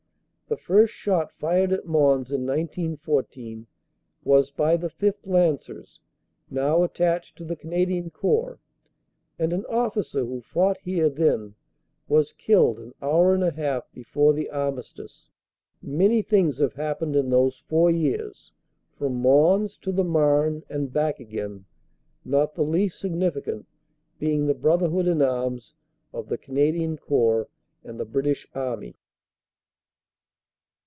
The first shot fired at Mons in 1914 was by the 5th. Lancers, now at tached to the Canadian Corps, and an officer who fought here then was killed an hour and a half before the armistice. Many things have happened in those four years, from Mons to the Marne and back again, not the least significant being the brotherhood in arms of the Canadian Corps and the British Army.